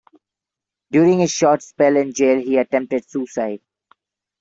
During his short spell in jail, he attempted suicide.